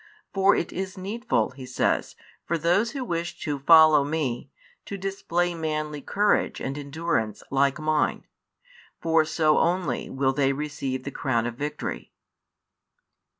For it is needful, He says, for those who wish to follow Me, to display manly courage and endurance like Mine: for so only will they receive the crown of victory.